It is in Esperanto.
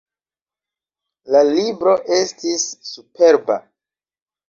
La libro estis superba.